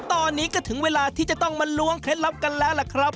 ตอนนี้ก็ถึงเวลาที่จะต้องมาล้วงเคล็ดลับกันแล้วล่ะครับ